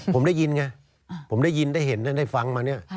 ผมได้ยินไงผมได้ยินได้เห็นได้ฟังมาเนี่ย